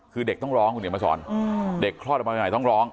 คือเด็กต้องร้องคุณเดี๋ยวมาสอนเด็กคลอดออกมาจากไหนต้องร้อง